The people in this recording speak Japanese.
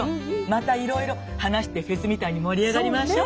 またいろいろ話してフェスみたいに盛り上がりましょう！